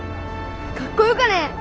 かっこよかね。